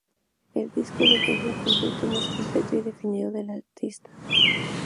El disco recoge un concepto más completo y definido del artista.